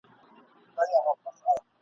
چي ماښام سو غم نازل د آس بېلتون سو !.